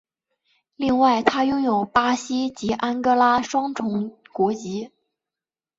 另外他拥有巴西及安哥拉双重国籍。